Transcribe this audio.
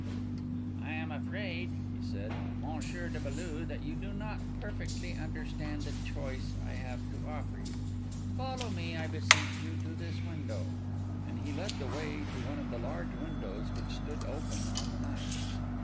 "I am afraid," he said, "Monsieur de Beaulieu, that you do not perfectly understand the choice I have to offer you. Follow me, I beseech you, to this window." And he led the way to one of the large windows which stood open on the night.